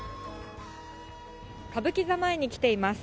歌舞伎座前に来ています。